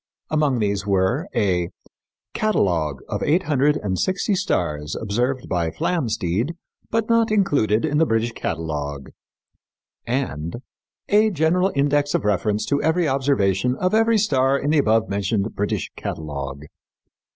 Among these were a Catalogue of Eight Hundred and Sixty Stars Observed by Flamsteed but not Included in the British Catalogue and A General Index of Reference to Every Observation of Every Star in the Above mentioned British Catalogue.